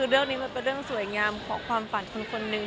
เรื่องนี้มันเป็นเรื่องสวยงามของความฝันคนนึง